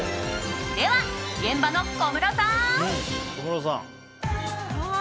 では、現場の小室さん！